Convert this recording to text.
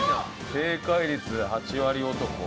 正解率８割男。